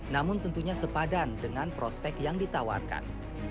namun tentunya sepadan dengan prospek yang ditawarkan